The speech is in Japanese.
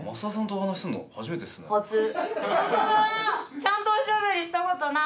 ちゃんとおしゃべりしたことない。